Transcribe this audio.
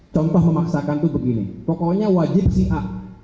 contoh memaksakan itu begini pokoknya wajib si a